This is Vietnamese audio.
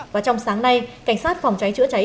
và trong sáng nay cảnh sát phòng cháy chữa cháy